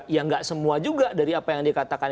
ya nggak semua juga dari apa yang dikatakan